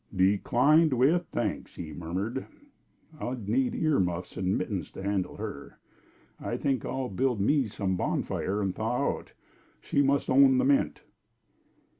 "Declined with thanks!" he murmured. "I'd need ear muffs and mittens to handle her. I think I'll build me some bonfire and thaw out. She must own the mint."